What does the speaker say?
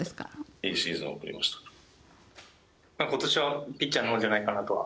今年はピッチャーのほうじゃないかなとは。